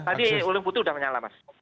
tadi lungkutu sudah menyala mas